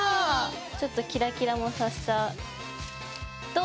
ちょっとキラキラも足しちゃう。